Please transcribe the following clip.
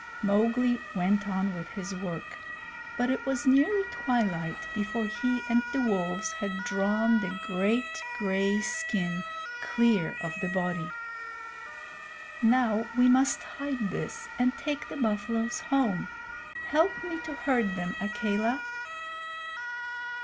Mowgli went on with his work, but it was nearly twilight before he and the wolves had drawn the great gay skin clear of the body. "Now we must hide this and take the buffaloes home! Help me to herd them, Akela."